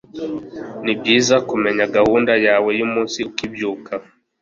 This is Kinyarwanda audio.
ni byiza kumenya gahunda yawe y'umunsi ukibyuka